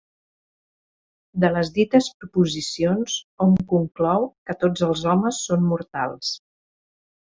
De les dites proposicions hom conclou que tots els homes són mortals.